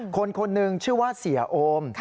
คนคนหนึ่งชื่อว่าเสียโอม